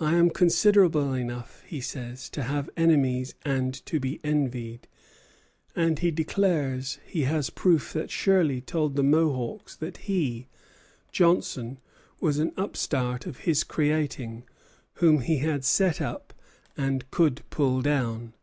"I am considerable enough," he says, "to have enemies and to be envied;" and he declares he has proof that Shirley told the Mohawks that he, Johnson, was an upstart of his creating, whom he had set up and could pull down.